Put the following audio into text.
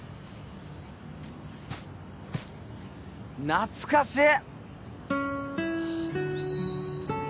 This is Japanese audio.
懐かしい！